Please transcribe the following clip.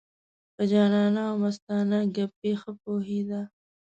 په جانانه او مستانه ګپې ښه پوهېده.